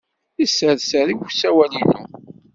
Yesserser usawal-inu.